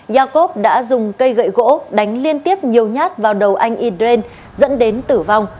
jacob đã dùng cây gậy gỗ đánh liên tiếp nhiều nhát vào đầu anh idren dẫn đến tử vong